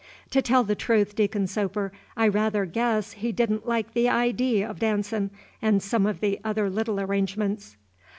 To tell the truth, Deacon Soper, I rather guess he don't like the idee of dancin', and some of the other little arrangements."